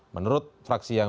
menurut fraksi yang